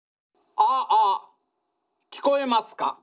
ああ聞こえますか。